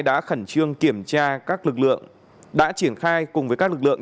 đã khẩn trương kiểm tra các lực lượng đã triển khai cùng với các lực lượng